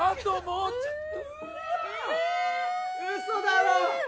ウソだろ！？